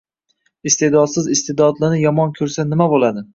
Iste’dodsiz iste’dodlini yomon ko’rsa nima bo’ladi?